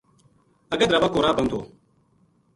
اگے دراوہ کو راہ بند تھو